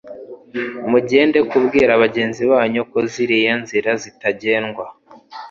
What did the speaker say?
mugende kubwira bagenzi banyu ko ziriya nzira zitagendwa